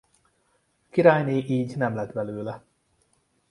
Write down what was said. Királyné így nem lett belőle.